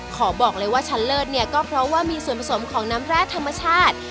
ขอบอกเลยว่าชั้นเลิศเนี่ยก็เพราะว่ามีส่วนผสมของน้ำแร่ธรรมชาติ